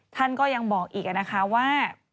ท่านก็ยังบอกอีกนะคะว่า